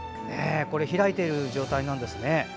これ、開いている状態なんですね。